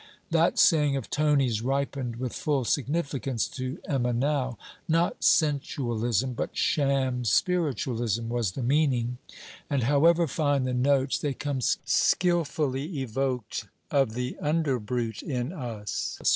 That saying of Tony's ripened with full significance to Emma now. Not sensualism, but sham spiritualism, was the meaning; and however fine the notes, they come skilfully evoked of the under brute in us.